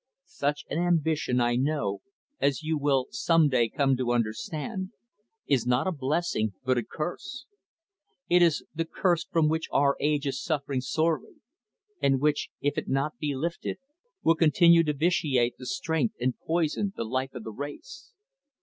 Such an ambition, I know as you will some day come to understand is not a blessing but a curse. It is the curse from which our age is suffering sorely; and which, if it be not lifted, will continue to vitiate the strength and poison the life of the race.